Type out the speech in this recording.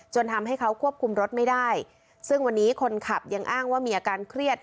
ทำให้เขาควบคุมรถไม่ได้ซึ่งวันนี้คนขับยังอ้างว่ามีอาการเครียด